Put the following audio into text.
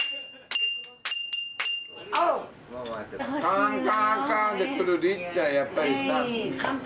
カンカンカンで来るりっちゃんやっぱりさ。